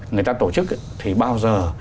người ta tổ chức thì bao giờ